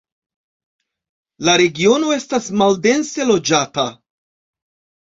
La regiono estas maldense loĝata.